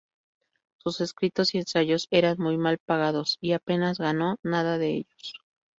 Sus escritos y ensayos eran muy mal pagados, y apenas ganó nada de ellos.